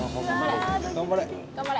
頑張れ！